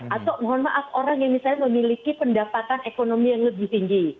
atau mohon maaf orang yang misalnya memiliki pendapatan ekonomi yang lebih tinggi